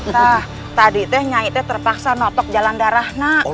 teg tadi teg nya i teg terpaksa notok jalan darah nak